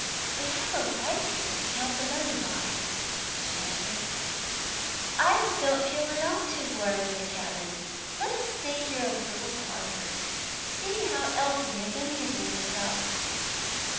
"We have a light here to count the money by," she answered. "I don't feel at all too warm in the cabin. Let us stay here a little longer. See how Elfie is amusing herself!"